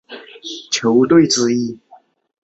匹兹堡铁人队的发起球队之一。